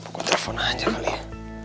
aku telepon aja kali ya